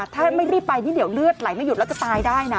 ถ้าไม่รีบไปนี่เดี๋ยวเลือดไหลไม่หยุดแล้วจะตายได้นะ